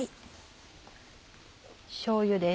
しょうゆです。